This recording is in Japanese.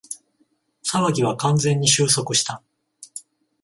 騒ぎは完全に収束した